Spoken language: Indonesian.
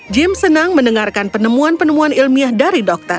jim senang mendengarkan penemuan penemuan ilmiah dari dokter